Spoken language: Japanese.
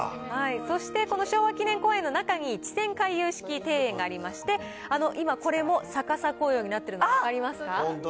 そして、この昭和記念公園の中に、池泉回遊式公園がありまして、今、これも逆さ紅葉になってるの、本当だ。